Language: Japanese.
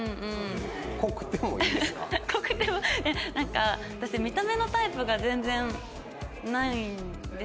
濃くてもなんか私見た目のタイプが全然ないんですよね。